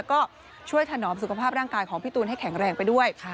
ก็ช่วยถนอมสุขภาพร่างกายของพี่ตูนให้แข็งแรงไปด้วย